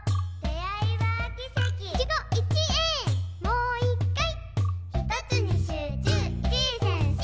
「もう一回」